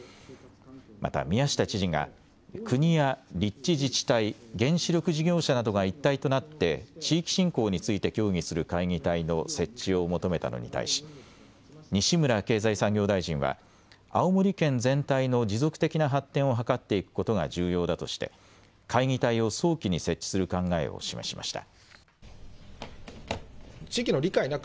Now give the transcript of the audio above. また宮下知事が国や立地自治体、原子力事業者などが一体となって地域振興について協議する会議体の設置を求めたのに対し西村経済産業大臣は青森県全体の持続的な発展を図っていくことが重要だとして会議体を早期に設置する考えを示しました。